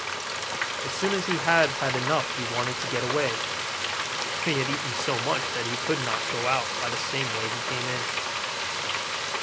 As soon as he had had enough he wanted to get away; but he had eaten so much that he could not go out by the same way he came in.